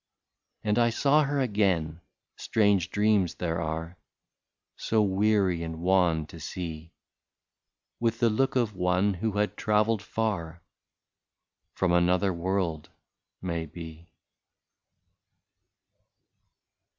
And I saw her again — strange dreams there are So weary and wan to see. With the look of one who had travelled far, — From another world, may be.